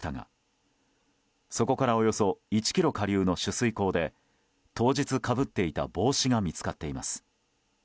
江戸川の河川敷で両足分の靴と靴下がそこからおよそ１ｋｍ下流の取水口で当日かぶっていた帽子が見つかっています。